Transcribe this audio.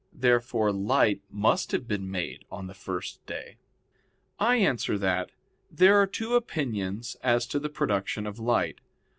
Therefore light must have been made on the first day. I answer that, There are two opinions as to the production of light.